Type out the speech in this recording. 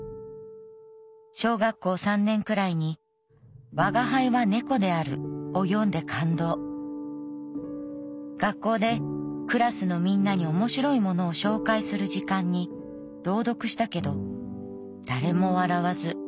小学校３年くらいに『吾輩は猫である』を読んで感動学校で『クラスのみんなに面白いものを紹介する時間』に朗読したけど誰も笑わず。